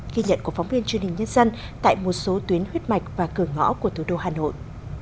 ghi nhận của phóng viên truyền hình nhân dân tại một số tuyến huyết mạch và cửa ngõ của thủ đô hà nội